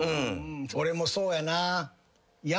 俺もそうやな。